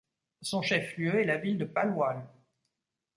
Son chef-lieu est la ville de Palwal.